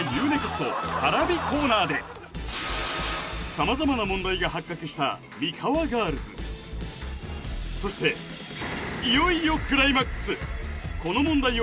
様々な問題が発覚したミカワガールズそしていよいよクライマックス